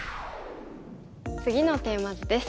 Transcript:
次のテーマ図です。